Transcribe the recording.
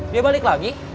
dia balik lagi